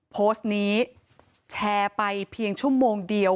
โพสต์นี้แชร์ไปเพียงชั่วโมงเดียว